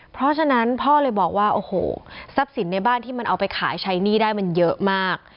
เพราะฉะนั้นพ่อเลยบอกว่าโอ้โหทรัพย์สินในบ้านที่มันเอาไปขายใช้หนี้ได้มันเยอะมาก